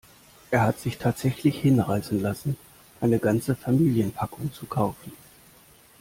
Er hat sich tatsächlich hinreißen lassen, eine ganze Familienpackung zu kaufen.